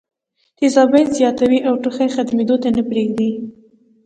تېزابيت زياتوي او ټوخی ختمېدو له نۀ ورکوي